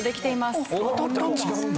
おっ当たったんだ。